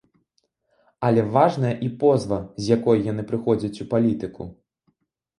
Але важная і позва, з якой яны прыходзяць у палітыку.